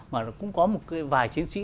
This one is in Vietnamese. mà nó cũng có một vài chiến sĩ